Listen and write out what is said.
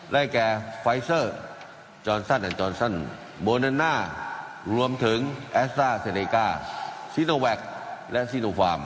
และแก่จอร์นซันและบริเวณหน้ารวมถึงซีโนแวคและซีโนฟาร์ม